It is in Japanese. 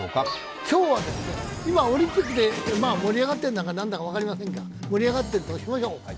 今日は今オリンピックで、盛り上がってんだかなんだか分かりませんが、盛り上がってるとしましょう。